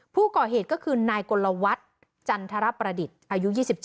ผู้ก่อเหตุก็คือนายกลวัฒน์จันทรประดิษฐ์อายุ๒๗